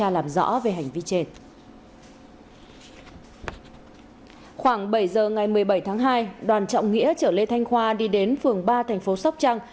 ngày một mươi bảy tháng hai đoàn trọng nghĩa chở lê thanh khoa đi đến phường ba thành phố sóc trăng